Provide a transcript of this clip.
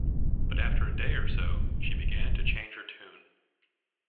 But after a day or so she began to change her tune.